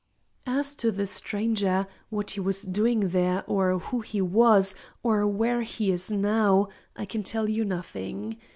As to the Stranger, what he was doing there, or who he was, or where he is now, I can tell you nothing.